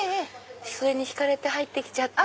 それに引かれて入ってきちゃって。